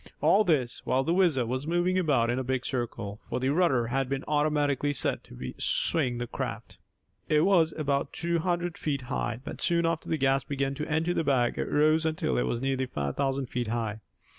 All this while the WHIZZER was moving about in a big circle, for the rudder had been automatically set to so swing the craft. It was about two hundred feet high, but soon after the gas began to enter the bag it rose until it was nearly five thousand feet high.